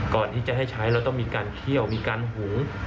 ก่อนที่จะให้ใช้เราต้องมีการเคี่ยวมีการหุง